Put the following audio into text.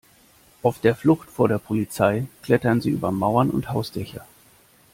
Auf der Flucht vor der Polizei klettern sie über Mauern und Hausdächer.